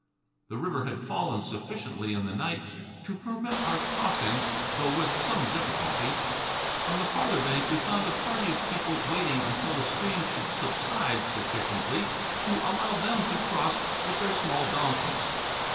The river had fallen sufficiently in the night to permit our crossing, though with some difficulty. On the farther bank we found a party of people waiting until the stream should subside sufficiently to allow them to cross with their small donkeys.